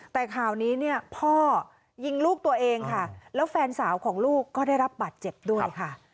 แต่ข่าวนี้เนี่ยพ่อยิงลูกตัวเองค่ะแล้วแฟนสาวของลูกก็ได้รับบาดเจ็บด้วยค่ะ